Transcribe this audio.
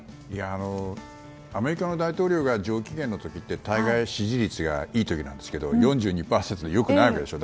アメリカの大統領が上機嫌の時って大概、支持率がいい時なんですけど４２％って良くないでしょ。